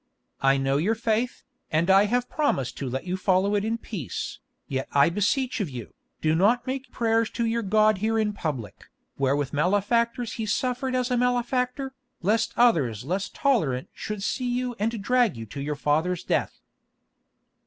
I know your faith, and I have promised to let you follow it in peace. Yet I beseech of you, do not make prayers to your God here in public, where with malefactors He suffered as a malefactor, lest others less tolerant should see you and drag you to your father's death."